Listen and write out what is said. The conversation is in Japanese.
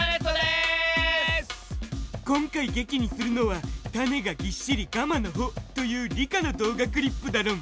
今回劇にするのは「種がぎっしりガマの穂」という理科の動画クリップだろん！